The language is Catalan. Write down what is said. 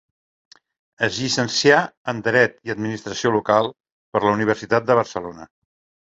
Es llicencià en Dret i Administració Local per la Universitat de Barcelona.